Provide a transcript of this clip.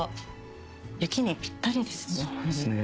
雪にぴったりですね。